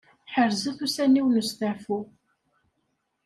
Ḥerzet ussan-iw n usteɛfu.